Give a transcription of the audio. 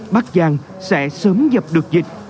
bắc giang sẽ sớm dập được dịch